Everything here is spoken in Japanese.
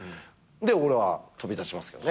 で俺は飛び出しますけどね。